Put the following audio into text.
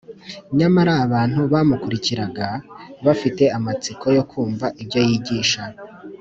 . Nyamara abantu bamukurikiraga bafite amatsiko yo kumva ibyo yigisha.